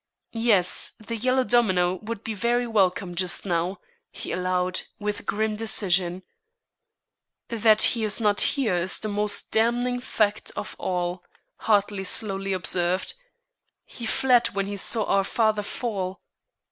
"Yes, the Yellow Domino would be very welcome just now," he allowed, with grim decision. "That he is not here is the most damning fact of all," Hartley slowly observed. "He fled when he saw our father fall."